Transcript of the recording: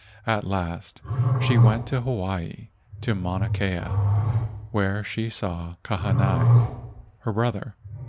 At last she went to Hawaii to Mauna Kea, where she saw Kahanai, her brother.